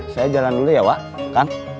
saya jalan dulu ya wak